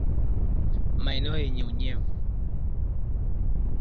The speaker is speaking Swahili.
Maeneo yenye unyevu